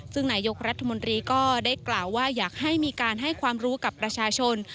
ซึ่งนายกรัฐมนตรีก็ได้กล่าวว่าอยากให้มีการให้ความรู้กับประชาชน